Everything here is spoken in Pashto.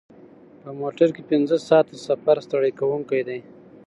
په موټر کې پنځه ساعته سفر ستړی کوونکی دی.